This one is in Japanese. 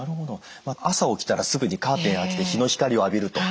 朝起きたらすぐにカーテン開けて日の光浴びると。